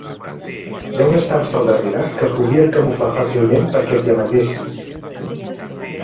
Hi ha una estança al darrere que podríem camuflar fàcilment perquè t'hi amaguessis.